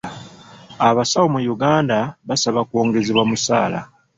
Abasawo mu Uganda basaba kwongezebwa musaala.